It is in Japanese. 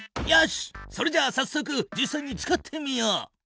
しっそれじゃあさっそく実さいに使ってみよう！